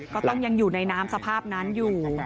ก็ยังอยู่ในน้ำสภาพนั้นอยู่